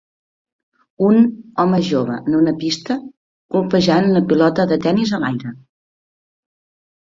Un home jove en una pista colpejant una pilota de tenis a l'aire.